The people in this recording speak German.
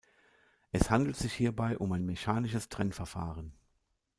Es handelt sich hierbei um ein mechanisches Trennverfahren.